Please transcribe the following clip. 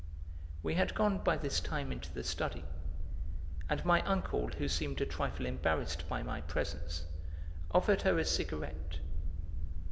We had gone by this time into the 'study,' and my uncle, who seemed a trifle embarrassed by my presence, offered her a cigarette.